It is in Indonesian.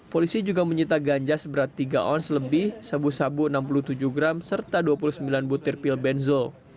polisi juga menyita ganja seberat tiga ons lebih sabu sabu enam puluh tujuh gram serta dua puluh sembilan butir pil benzo